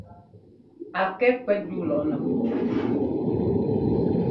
A kɛ kwɛ́t yúu lɔꞌnɛ pɔ́.